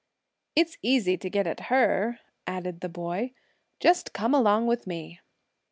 "It's easy to get at her," added the boy; "just come along with me."